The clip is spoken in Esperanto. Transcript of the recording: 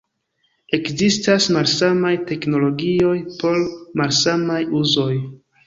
Ekzistas malsamaj teknologioj por malsamaj uzoj.